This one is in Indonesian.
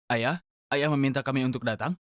ayah ayah meminta kami untuk datang